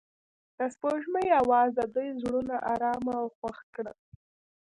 د سپوږمۍ اواز د دوی زړونه ارامه او خوښ کړل.